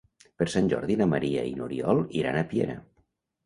Per Sant Jordi na Maria i n'Oriol iran a Piera.